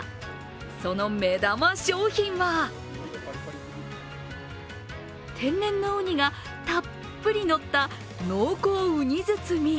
その目玉商品は天然のうにがたっぷり乗った濃厚うに包み。